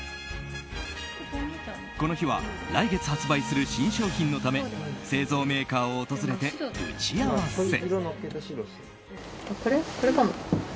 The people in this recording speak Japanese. この日は来月発売する新商品のため製造メーカーを訪れて打ち合わせ。